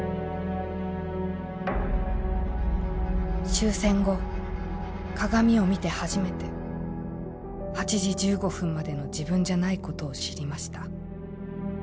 「終戦後鏡を見て初めて８時１５分までの自分じゃないことを知りました。